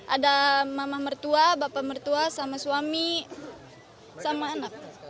ada mamah mertua bapak mertua sama suami sama anak